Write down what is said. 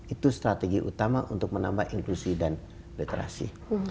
itu strategi utama untuk menambah inklusi dan literasi